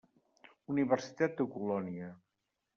Universitat de Colònia.